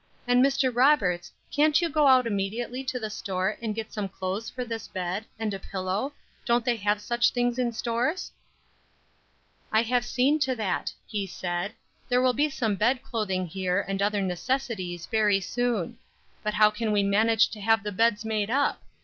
And Mr. Roberts, can't you go out immediately to the store and get some clothes for this bed, and a pillow, don't they have such things in stores?" "I have seen to that," he said; "there will be some bed clothing here, and other necessaries very soon; but how can we manage to have the beds made up?